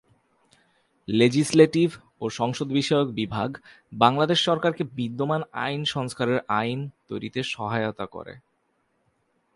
Legislative ও সংসদ বিষয়ক বিভাগ বাংলাদেশ সরকারকে বিদ্যমান আইন সংস্কারের আইন তৈরিতে সহায়তা করে।